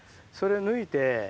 それ抜いて。